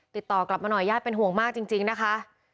ติดต่อกลับมาหน่อยญาติเป็นห่วงมากจริงนะคะ